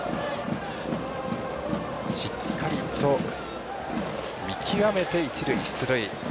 しっかりと見極めて一塁出塁。